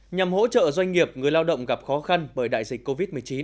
nhằm hỗ trợ doanh nghiệp người lao động gặp khó khăn bởi đại dịch covid một mươi chín